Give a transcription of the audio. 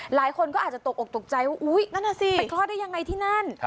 หลายคนก็อาจจะตกออกตกใจว่าอุ๊ยนั่นน่ะสิไปคลอดได้ยังไงที่นั่น